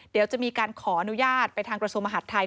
เดี๋ยวจะมีการขออนุญาตไปทางกระทรวงมหาดไทย